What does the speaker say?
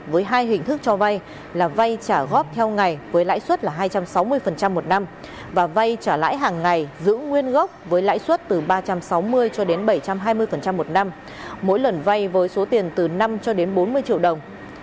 với hai hình thức cho vay là vay trả góp theo ngày với lãi suất là hai trăm sáu mươi một năm và vay trả lãi hàng ngày giữ nguyên gốc với lãi suất từ ba trăm sáu mươi cho đến bảy trăm hai mươi một năm mỗi lần vay với số tiền từ năm cho đến bốn mươi triệu đồng